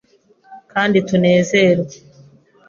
kandi tunezerwe. ”